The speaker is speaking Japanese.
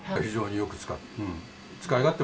非常によく使う。